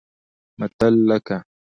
متل لکه